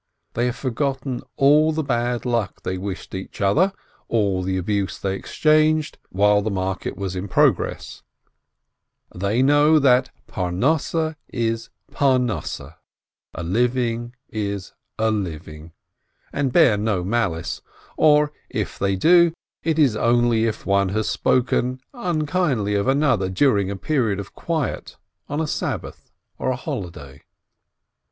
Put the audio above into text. They have forgotten all the bad luck they wished each other, all the abuse they exchanged, while the market was in progress; they know that "Parnosseh is Parnosseh," and bear no malice, or, if they do, it is only if one has spoken unkindly of another during a period of quiet, on a Sabbath or a holiday.